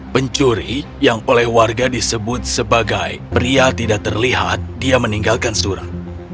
pencuri yang oleh warga disebut sebagai pria tidak terlihat dia meninggalkan surat